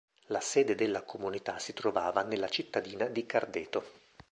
La sede della Comunità si trovava nella cittadina di Cardeto.